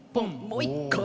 もう一回。